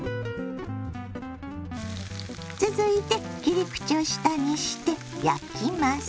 続いて切り口を下にして焼きます。